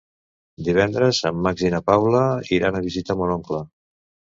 Divendres en Max i na Paula iran a visitar mon oncle.